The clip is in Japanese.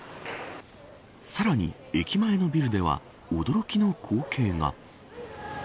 さらに、駅前のビルでは驚きの光景が。